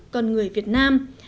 còn người việt nam